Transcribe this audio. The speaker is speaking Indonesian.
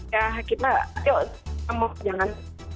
ya kita yuk jangan